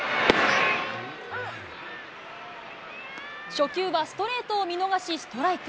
初球はストレートを見逃しストライク。